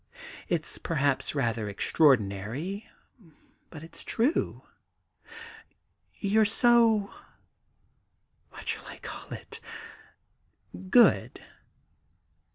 It 's perhaps rather extraordinary, but it's true. You're so — what shall I call it ?— good.'